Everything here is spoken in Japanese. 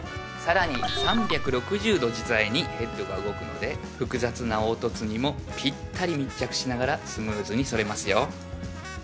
更に３６０度自在にヘッドが動くので複雑な凹凸にもぴったり密着しながらスムーズにそれますよ